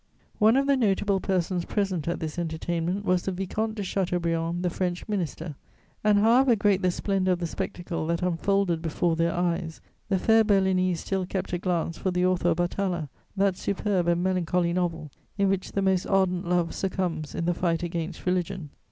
"One of the notable persons present at this entertainment was the Vicomte de Chateaubriand, the French Minister, and however great the splendour of the spectacle that unfolded before their eyes, the fair Berlinese still kept a glance for the author of Atala, that superb and melancholy novel, in which the most ardent love succumbs in the fight against religion.